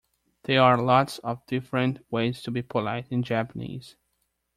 There are lots of different ways to be polite in Japanese.